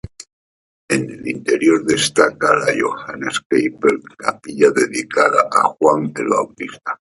En el interior destaca la "Johannes-Kapelle", capilla dedicada a Juan el Bautista.